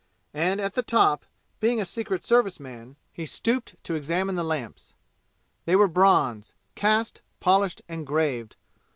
And at the top, being a Secret Service man, he stooped to examine the lamps. They were bronze, cast, polished and graved.